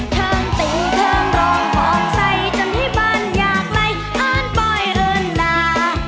เทิงติงเทิงรองของใส่จนให้บรรยากไหลอ้านปล่อยเอิญหลา